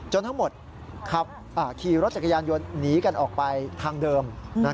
ทั้งหมดขี่รถจักรยานยนต์หนีกันออกไปทางเดิม